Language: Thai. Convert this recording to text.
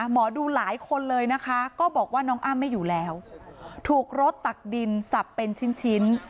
หมอดูหลายคนเลยนะคะก็บอกว่าน้องอ้ำไม่อยู่แล้วถูกรถตักดินสับเป็นชิ้น